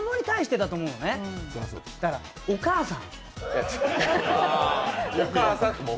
だから、お母さん。